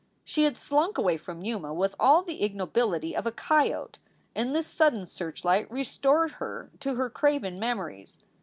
She had slunk away from Yuma with all the ignobility of a coyote, and this sudden searchlight restored her to her craven memories.